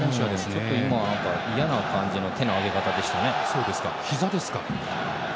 ちょっと嫌な感じの手の上げ方でしたね。